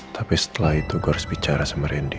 tapi setelah itu gue harus bicara sama randy